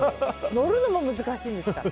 乗るのも難しいんですから。